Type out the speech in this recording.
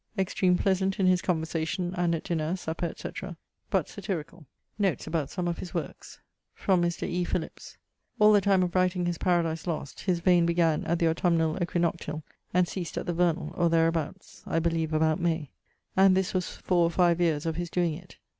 Extreme pleasant in his conversation, and at dinner, supper, etc.; but satyricall. <_Notes about some of his works._> From Mr. E. Philips: All the time of writing his Paradise Lost, his veine began at the autumnall aequinoctiall, and ceased at the vernall (or thereabouts: I believe about May): and this was 4 or 5 yeares of his doeing it.